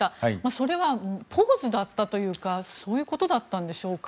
それはポーズだったというかそういうことだったんでしょうか？